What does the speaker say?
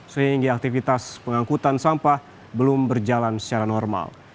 sehingga aktivitas pengangkutan sampah belum berjalan secara normal